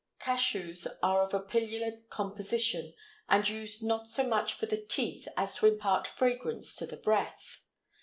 Cachous are of a pillular composition, and used not so much for the teeth as to impart fragrance to the breath.